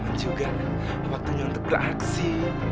aman juga waktunya untuk beraksi